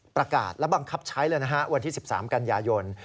ประกาศและบังคับใช้เลยนะฮะวันที่๑๓กันยายน